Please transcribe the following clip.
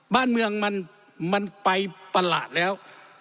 บ้านเมืองมันไปประหลาดแล้ว